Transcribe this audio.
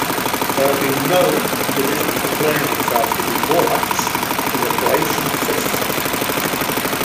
There have been no individuals declaring themselves to be Morlachs in the Croatian censuses.